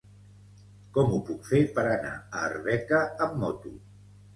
Com ho puc fer per anar a Arbeca amb moto?